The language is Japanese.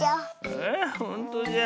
ああほんとじゃ。